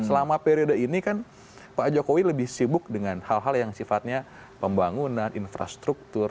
selama periode ini kan pak jokowi lebih sibuk dengan hal hal yang sifatnya pembangunan infrastruktur